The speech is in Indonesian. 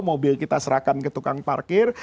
mobil kita serahkan ke tukang parkir